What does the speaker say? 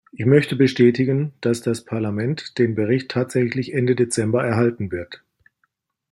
Ich möchte bestätigen, dass das Parlament den Bericht tatsächlich Ende Dezember erhalten wird.